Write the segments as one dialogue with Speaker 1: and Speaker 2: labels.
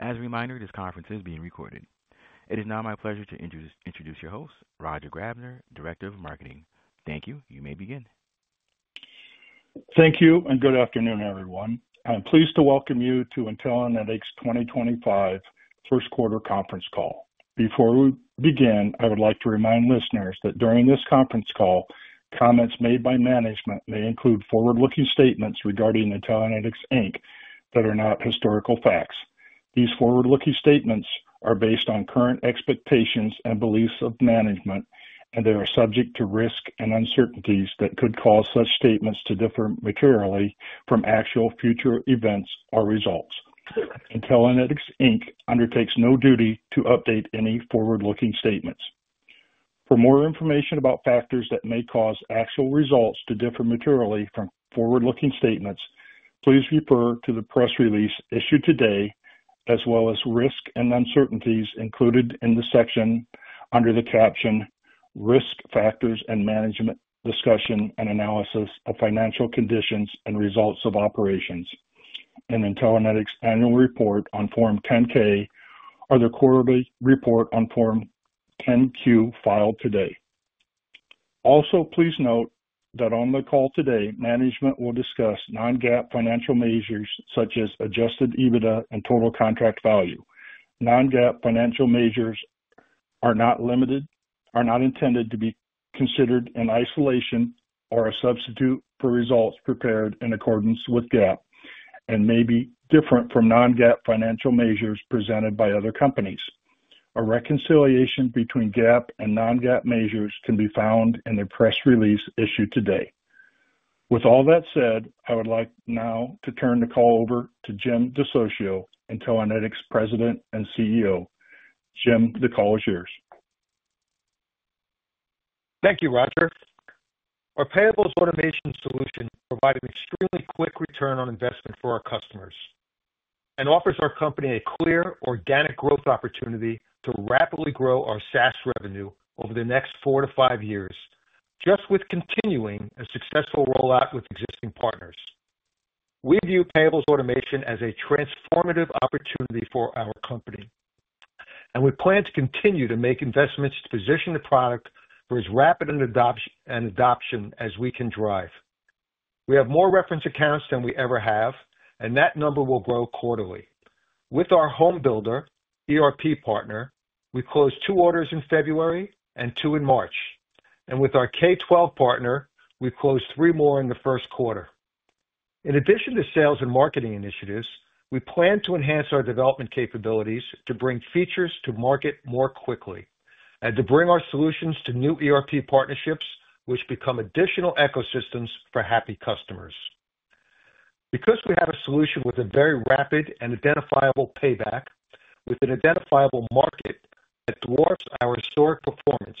Speaker 1: As a reminder, this conference is being recorded. It is now my pleasure to introduce your host, Roger Grabner, Director of Marketing. Thank you. You may begin.
Speaker 2: Thank you and good afternoon, everyone. I'm pleased to welcome you to Intellinetics 2025 First Quarter Conference Call. Before we begin, I would like to remind listeners that during this conference call, comments made by management may include forward-looking statements regarding Intellinetics that are not historical facts. These forward-looking statements are based on current expectations and beliefs of management, and they are subject to risk and uncertainties that could cause such statements to differ materially from actual future events or results. Intellinetics undertakes no duty to update any forward-looking statements. For more information about factors that may cause actual results to differ materially from forward-looking statements, please refer to the press release issued today, as well as risk and uncertainties included in the section under the caption, "Risk Factors and Management Discussion and Analysis of Financial Conditions and Results of Operations," and Intellinetics' annual report on Form 10-K or their quarterly report on Form 10-Q filed today. Also, please note that on the call today, management will discuss non-GAAP financial measures such as adjusted EBITDA and total contract value. Non-GAAP financial measures are not intended to be considered in isolation or a substitute for results prepared in accordance with GAAP and may be different from non-GAAP financial measures presented by other companies. A reconciliation between GAAP and non-GAAP measures can be found in the press release issued today. With all that said, I would like now to turn the call over to Jim DeSocio, Intellinetics President and CEO. Jim, the call is yours.
Speaker 3: Thank you, Roger. Our payables automation solution provides an extremely quick return on investment for our customers and offers our company a clear, organic growth opportunity to rapidly grow our SaaS revenue over the next four to five years, just with continuing a successful rollout with existing partners. We view payables automation as a transformative opportunity for our company, and we plan to continue to make investments to position the product for as rapid an adoption as we can drive. We have more reference accounts than we ever have, and that number will grow quarterly. With our homebuilder ERP partner, we closed two orders in February and two in March, and with our K-12 partner, we closed three more in the first quarter. In addition to sales and marketing initiatives, we plan to enhance our development capabilities to bring features to market more quickly and to bring our solutions to new ERP partnerships, which become additional ecosystems for happy customers. Because we have a solution with a very rapid and identifiable payback, with an identifiable market that dwarfs our historic performance,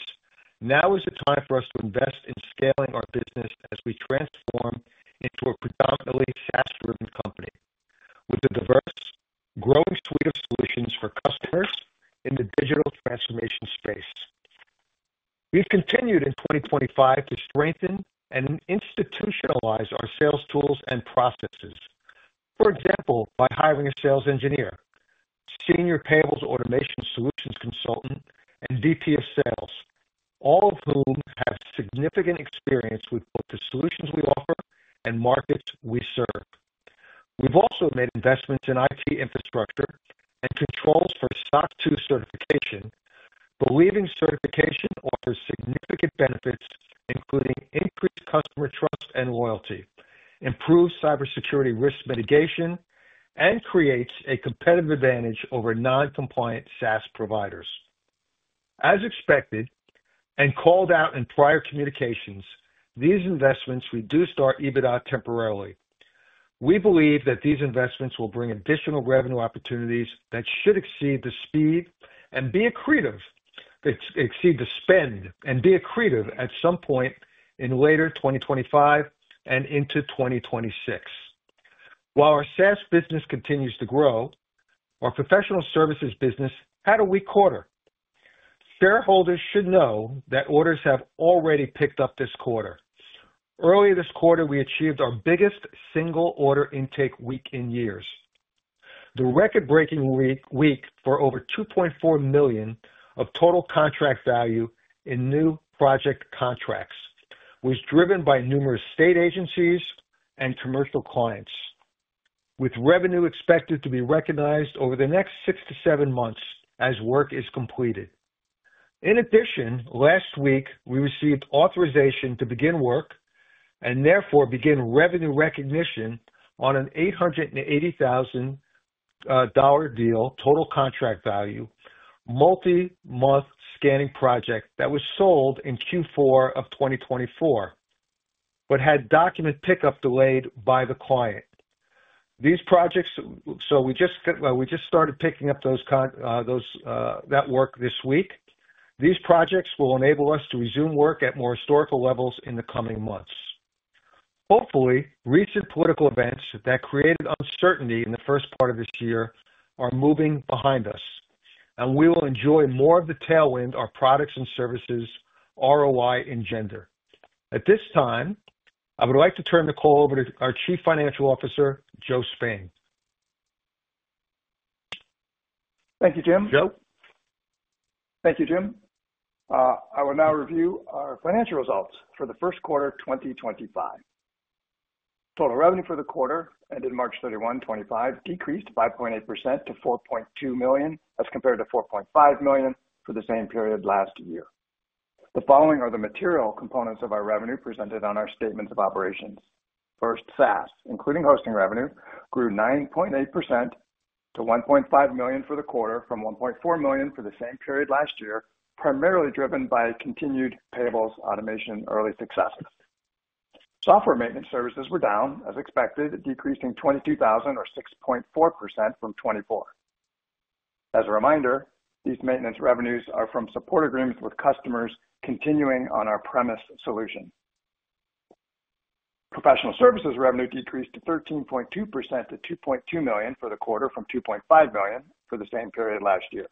Speaker 3: now is the time for us to invest in scaling our business as we transform into a predominantly SaaS-driven company with a diverse, growing suite of solutions for customers in the digital transformation space. We have continued in 2025 to strengthen and institutionalize our sales tools and processes, for example, by hiring a sales engineer, senior payables automation solutions consultant, and VP of Sales, all of whom have significant experience with both the solutions we offer and markets we serve. We've also made investments in IT infrastructure and controls for SOC 2 certification, believing certification offers significant benefits, including increased customer trust and loyalty, improved cybersecurity risk mitigation, and creates a competitive advantage over non-compliant SaaS providers. As expected and called out in prior communications, these investments reduced our EBITDA temporarily. We believe that these investments will bring additional revenue opportunities that should exceed the spend and be accretive at some point in later 2025 and into 2026. While our SaaS business continues to grow, our professional services business had a weak quarter. Shareholders should know that orders have already picked up this quarter. Earlier this quarter, we achieved our biggest single order intake week in years. The record-breaking week for over $2.4 million of total contract value in new project contracts was driven by numerous state agencies and commercial clients, with revenue expected to be recognized over the next six to seven months as work is completed. In addition, last week, we received authorization to begin work and therefore begin revenue recognition on an $880,000 deal, total contract value, multi-month scanning project that was sold in Q4 of 2024 but had document pickup delayed by the client. We just started picking up that work this week. These projects will enable us to resume work at more historical levels in the coming months. Hopefully, recent political events that created uncertainty in the first part of this year are moving behind us, and we will enjoy more of the tailwind our products and services ROI engender. At this time, I would like to turn the call over to our Chief Financial Officer, Joe Spain.
Speaker 4: Thank you, Jim.
Speaker 3: Joe?
Speaker 4: Thank you, Jim. I will now review our financial results for the first quarter of 2025. Total revenue for the quarter ended March 31, 2025, decreased 5.8% to $4.2 million as compared to $4.5 million for the same period last year. The following are the material components of our revenue presented on our statements of operations. First, SaaS, including hosting revenue, grew 9.8% to $1.5 million for the quarter from $1.4 million for the same period last year, primarily driven by continued payables automation early successes. Software maintenance services were down, as expected, decreasing $22,000 or 6.4% from 2024. As a reminder, these maintenance revenues are from support agreements with customers continuing on our premise solution. Professional services revenue decreased 13.2% to $2.2 million for the quarter from $2.5 million for the same period last year.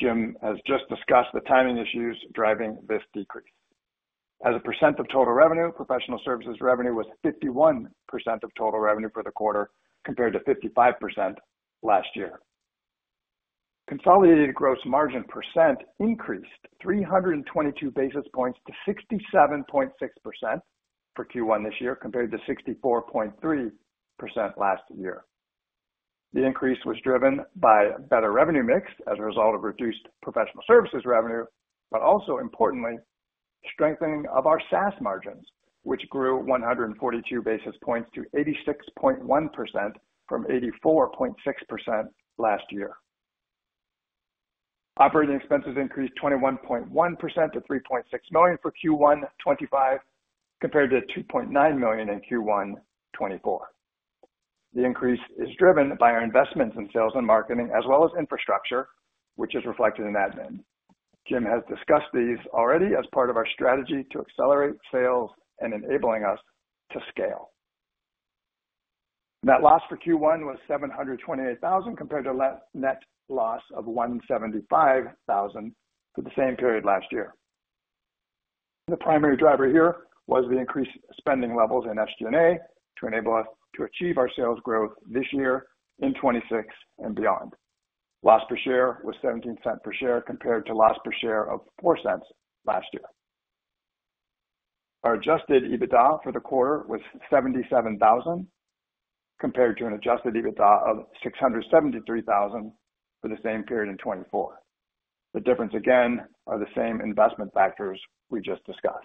Speaker 4: Jim has just discussed the timing issues driving this decrease. As a percent of total revenue, professional services revenue was 51% of total revenue for the quarter compared to 55% last year. Consolidated gross margin percent increased 322 basis points to 67.6% for Q1 this year compared to 64.3% last year. The increase was driven by better revenue mix as a result of reduced professional services revenue, but also, importantly, strengthening of our SaaS margins, which grew 142 basis points to 86.1% from 84.6% last year. Operating expenses increased 21.1% to $3.6 million for Q1 2025 compared to $2.9 million in Q1 2024. The increase is driven by our investments in sales and marketing, as well as infrastructure, which is reflected in admin. Jim has discussed these already as part of our strategy to accelerate sales and enabling us to scale. Net loss for Q1 was $728,000 compared to net loss of $175,000 for the same period last year. The primary driver here was the increased spending levels in SG&A to enable us to achieve our sales growth this year in 2026 and beyond. Loss per share was $0.17 per share compared to loss per share of $0.04 last year. Our adjusted EBITDA for the quarter was $77,000 compared to an adjusted EBITDA of $673,000 for the same period in 2024. The difference, again, are the same investment factors we just discussed.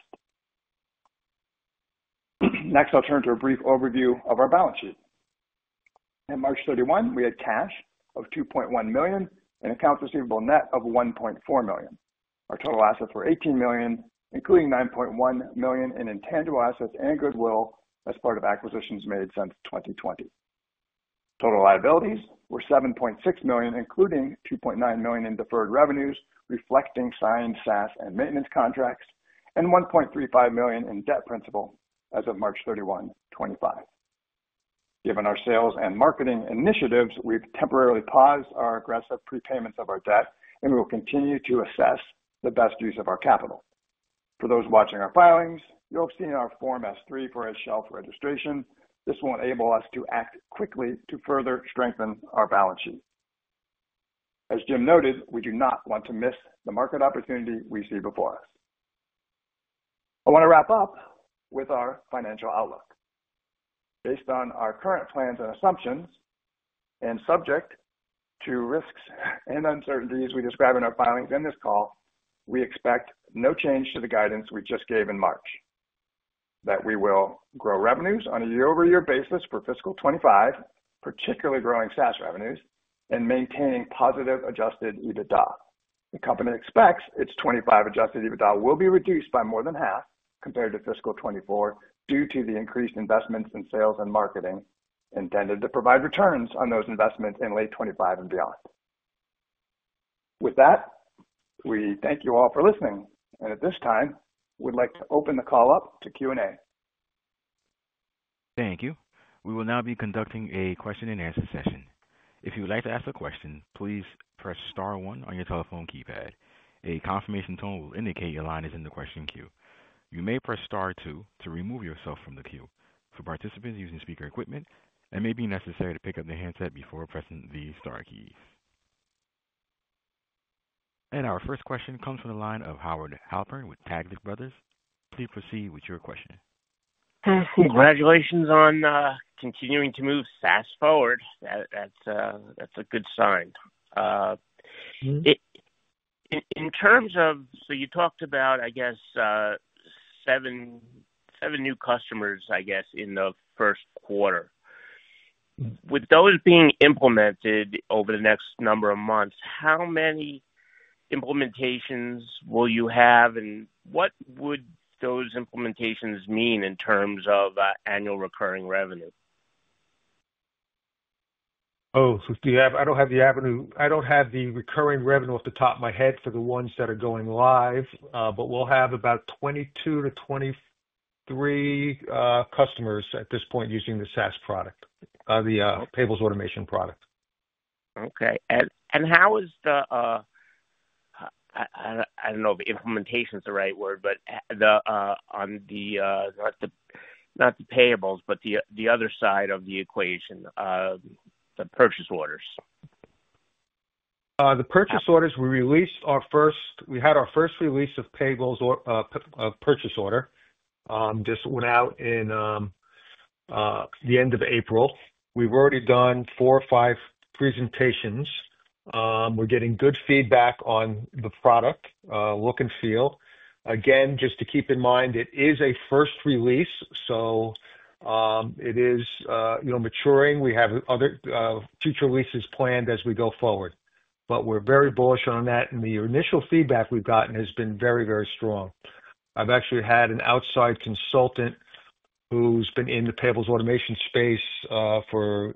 Speaker 4: Next, I'll turn to a brief overview of our balance sheet. In March 31, we had cash of $2.1 million and accounts receivable net of $1.4 million. Our total assets were $18 million, including $9.1 million in intangible assets and goodwill as part of acquisitions made since 2020. Total liabilities were $7.6 million, including $2.9 million in deferred revenues, reflecting signed SaaS and maintenance contracts, and $1.35 million in debt principal as of March 31, 2025. Given our sales and marketing initiatives, we've temporarily paused our aggressive prepayments of our debt, and we will continue to assess the best use of our capital. For those watching our filings, you'll have seen our Form S-3 for a shelf registration. This will enable us to act quickly to further strengthen our balance sheet. As Jim noted, we do not want to miss the market opportunity we see before us. I want to wrap up with our financial outlook. Based on our current plans and assumptions and subject to risks and uncertainties we describe in our filings in this call, we expect no change to the guidance we just gave in March, that we will grow revenues on a year-over-year basis for fiscal 2025, particularly growing SaaS revenues and maintaining positive adjusted EBITDA. The company expects its 2025 adjusted EBITDA will be reduced by more than half compared to fiscal 2024 due to the increased investments in sales and marketing intended to provide returns on those investments in late 2025 and beyond. With that, we thank you all for listening, and at this time, we'd like to open the call up to Q&A.
Speaker 1: Thank you. We will now be conducting a question and answer session. If you would like to ask a question, please press star one on your telephone keypad. A confirmation tone will indicate your line is in the question queue. You may press star two to remove yourself from the queue. For participants using speaker equipment, it may be necessary to pick up the handset before pressing the star keys. Our first question comes from the line of Howard Halpern with Taglich Brothers. Please proceed with your question.
Speaker 5: Congratulations on continuing to move SaaS forward. That's a good sign. In terms of, so you talked about, I guess, seven new customers, I guess, in the first quarter. With those being implemented over the next number of months, how many implementations will you have, and what would those implementations mean in terms of annual recurring revenue?
Speaker 3: Oh, so I don't have the revenue off the top of my head for the ones that are going live, but we'll have about 22-23 customers at this point using the SaaS product, the payables automation product.
Speaker 5: Okay. How is the—I don't know if implementation is the right word, but on the, not the payables, but the other side of the equation, the purchase orders?
Speaker 3: The purchase orders we released our first—we had our first release of payables purchase order just went out in the end of April. We've already done four or five presentations. We're getting good feedback on the product, look and feel. Again, just to keep in mind, it is a first release, so it is maturing. We have other future releases planned as we go forward, but we're very bullish on that, and the initial feedback we've gotten has been very, very strong. I've actually had an outside consultant who's been in the payables automation space for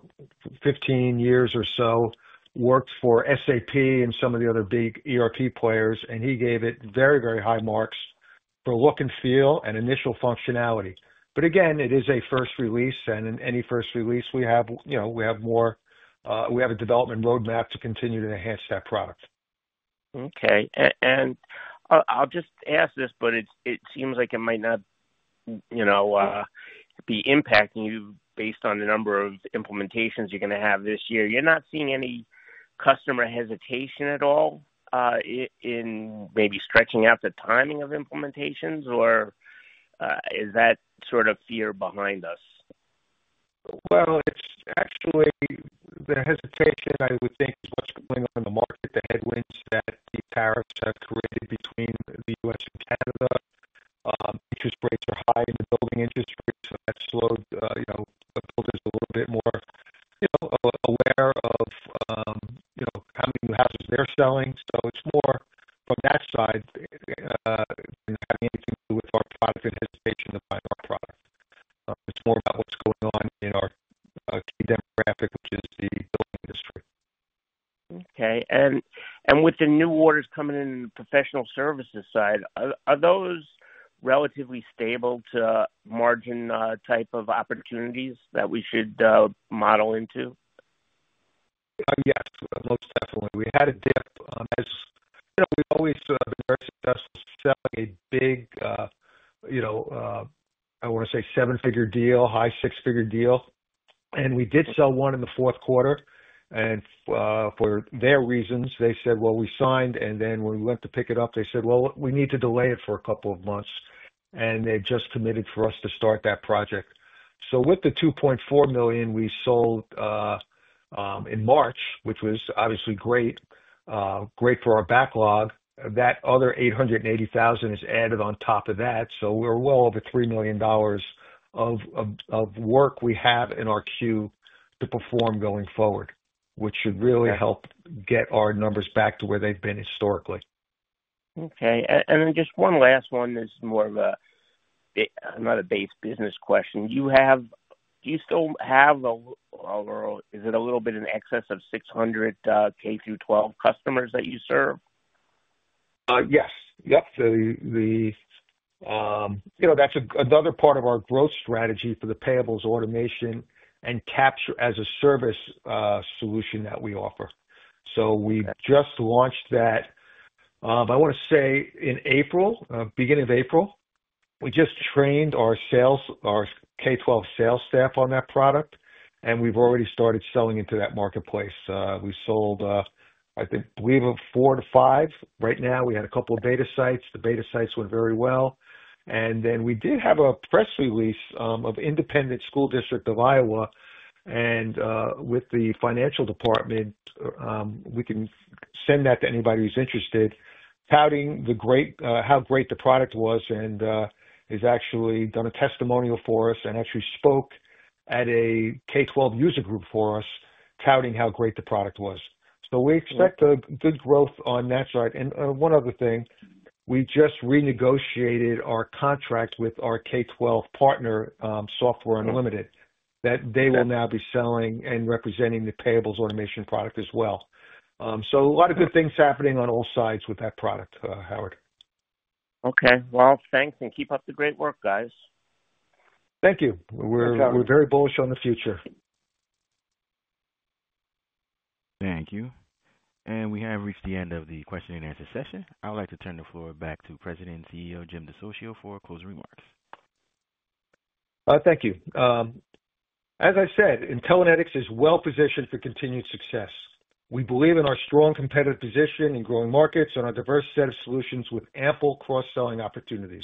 Speaker 3: 15 years or so, worked for SAP and some of the other big ERP players, and he gave it very, very high marks for look and feel and initial functionality. It is a first release, and in any first release, we have more—we have a development roadmap to continue to enhance that product.
Speaker 5: Okay. I'll just ask this, but it seems like it might not be impacting you based on the number of implementations you're going to have this year. You're not seeing any customer hesitation at all in maybe stretching out the timing of implementations, or is that sort of fear behind us?
Speaker 3: It's actually the hesitation, I would think, is what's going on in the market, the headwinds that the tariffs have created between the U.S. and Canada. Interest rates are high in the building industry, so that's slowed builders a little bit more aware of how many houses they're selling. It's more from that side than having anything to do with our product and hesitation to buy our product. It's more about what's going on in our key demographic, which is the building industry.
Speaker 5: Okay. With the new orders coming in in the professional services side, are those relatively stable to margin type of opportunities that we should model into?
Speaker 3: Yes, most definitely. We had a dip. We've always been very successful selling a big, I want to say, seven-figure deal, high six-figure deal. We did sell one in the fourth quarter, and for their reasons, they said, "Well, we signed." When we went to pick it up, they said, "Well, we need to delay it for a couple of months." They just committed for us to start that project. With the $2.4 million we sold in March, which was obviously great, great for our backlog, that other $880,000 is added on top of that. We are well over $3 million of work we have in our queue to perform going forward, which should really help get our numbers back to where they've been historically.
Speaker 5: Okay. And then just one last one that's more of not a base business question. Do you still have—or is it a little bit in excess of 600 K-12 customers that you serve?
Speaker 3: Yes. Yep. That's another part of our growth strategy for the payables automation and Capture-as-a-Service solution that we offer. We just launched that, I want to say, in April, beginning of April. We just trained our K-12 sales staff on that product, and we've already started selling into that marketplace. We sold, I think, we have four to five right now. We had a couple of beta sites. The beta sites went very well. We did have a press release in Independence School District of Iowa. With the financial department, we can send that to anybody who's interested, touting how great the product was and has actually done a testimonial for us and actually spoke at a K-12 user group for us, touting how great the product was. We expect good growth on that side. We just renegotiated our contract with our K-12 partner, Software Unlimited, that they will now be selling and representing the payables automation product as well. A lot of good things happening on all sides with that product, Howard.
Speaker 5: Okay. Thanks, and keep up the great work, guys.
Speaker 3: Thank you. We're very bullish on the future.
Speaker 1: Thank you. We have reached the end of the question and answer session. I would like to turn the floor back to President and CEO Jim DeSocio for closing remarks.
Speaker 3: Thank you. As I said, Intellinetics is well-positioned for continued success. We believe in our strong competitive position in growing markets and our diverse set of solutions with ample cross-selling opportunities.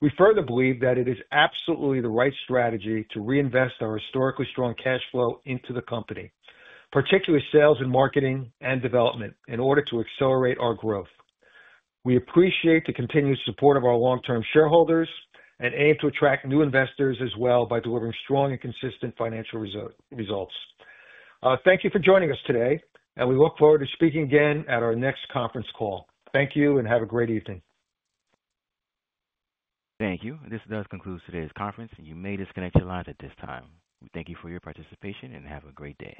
Speaker 3: We further believe that it is absolutely the right strategy to reinvest our historically strong cash flow into the company, particularly sales and marketing and development, in order to accelerate our growth. We appreciate the continued support of our long-term shareholders and aim to attract new investors as well by delivering strong and consistent financial results. Thank you for joining us today, and we look forward to speaking again at our next conference call. Thank you, and have a great evening.
Speaker 1: Thank you. This does conclude today's conference, and you may disconnect your line at this time. We thank you for your participation and have a great day.